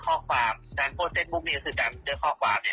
ใช้จ่ายหนี้สถานที่